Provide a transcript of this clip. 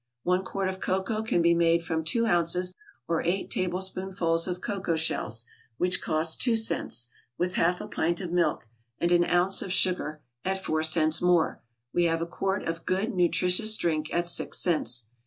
One quart of cocoa can be made from two ounces, or eight tablespoonfuls of cocoa shells, (which cost two cents,) with half a pint of milk, and an ounce of sugar, (at four cents more;) we have a quart of good, nutritious drink at six cents.